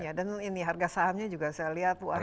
dan ini harga sahamnya juga saya lihat